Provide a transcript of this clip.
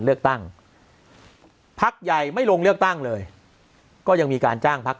เลือกตั้งพักใหญ่ไม่ลงเลือกตั้งเลยก็ยังมีการจ้างพัก